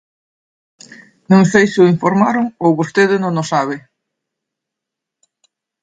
Non sei se o informaron ou vostede non o sabe.